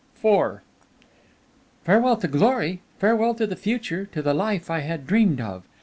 IV "Farewell to glory, farewell to the future, to the life I had dreamed of!